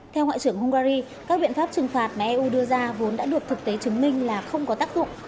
theo ngoại trưởng hungary các biện pháp trừng phạt mà eu đưa ra vốn đã được thực tế chứng minh là không có tác dụng